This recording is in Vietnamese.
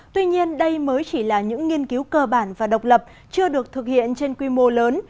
tuy nhiên đây mới chỉ là những nghiên cứu cơ bản và độc lập chưa được thực hiện trên quy mô lớn